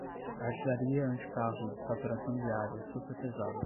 Artilharia anticarro e de saturação de área super-pesada